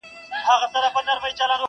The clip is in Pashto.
په هر رنګ کي څرګندیږي له شیطانه یمه ستړی٫